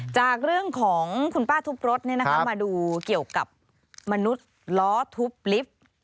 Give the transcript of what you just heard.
จากเรื่องของคุณป้าทุบรถมาดูเกี่ยวกับมนุษย์ล้อทุบลิฟต์